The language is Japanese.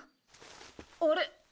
あれ？